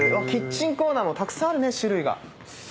キッチンコーナーもたくさんあるね種類が。